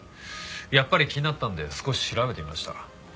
やっぱり気になったんで少し調べてみました。